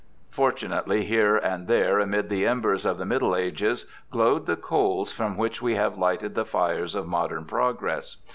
Fortunately, here and there amid the embers of the Middle Ages glowed the coals from which we have lighted the fires of modern progress.